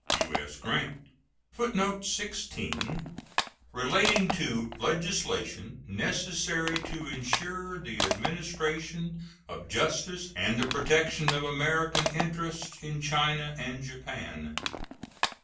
U.S. GRANT. [Footnote 16: Relating to legislation necessary to insure the administration of justice and the protection of American interests in China and Japan.